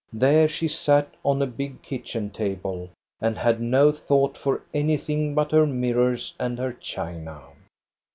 There she sat on a big kitchen table, and had no thought for anything but her mirrors and her china.